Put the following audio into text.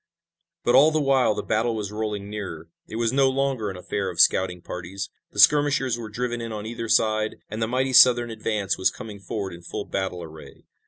But all the while the battle was rolling nearer. It was no longer an affair of scouting parties. The skirmishers were driven in on either side and the mighty Southern advance was coming forward in full battle array.